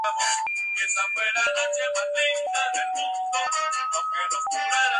El principal objetivo es posicionar primero la imagen sobre la empresa y producto.